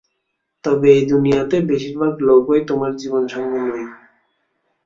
তবে এই দুনিয়াতে বেশিরভাগ লোকই তোমার জীবনসঙ্গী নয়।